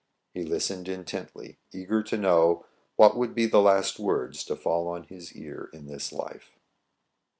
He listened intently, eager to know what would be the last words to fall on his ear in this life.